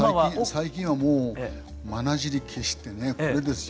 最近はもうまなじり決してねこれですよ